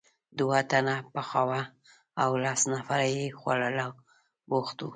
دوه تنه پخاوه او لس نفره یې په خوړلو بوخت وو.